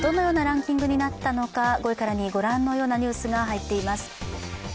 今日はどのようなランキングになったのか５位から２位、ご覧のニュースが入っています。